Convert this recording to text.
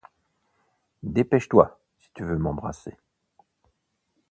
Dépêche-toi, si tu veux m'embrasser.